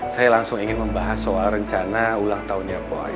saya langsung ingin membahas soal rencana ulang tahunnya poi